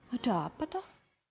ada apa tuh